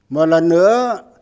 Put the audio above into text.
một lần nữa